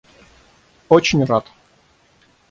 Очень рад.